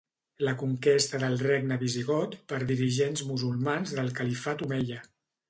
La conquesta del regne visigot per dirigents musulmans del Califat omeia.